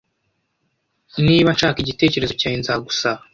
Niba nshaka igitekerezo cyawe nzagusaba